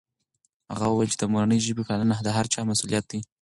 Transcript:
هغه وویل چې د مورنۍ ژبې پالنه د هر چا مسؤلیت دی.